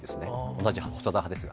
同じ細田派ですが。